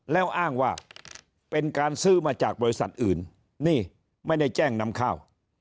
แล้วอ้างว่าเป็นการซื้อมาจากบริษัทอื่นนี่ไม่ได้แจ้งนำข้าว